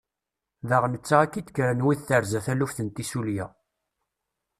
Daɣ netta akka i d-kkren wid terza taluft n tissulya.